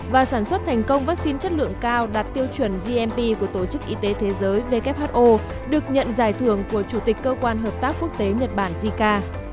và sản xuất thành công vaccine chất lượng cao đạt tiêu chuẩn gmp của tổ chức y tế thế giới who được nhận giải thưởng của chủ tịch cơ quan hợp tác quốc tế nhật bản jica